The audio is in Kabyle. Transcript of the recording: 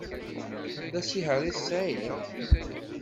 D asiher i tesɛiḍ?